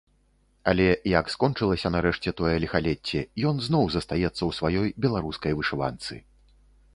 Але як скончылася нарэшце тое ліхалецце, ён зноў застаецца ў сваёй беларускай вышыванцы.